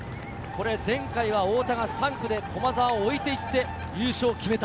前回、太田が３区で駒澤を置いていって優勝を決めた。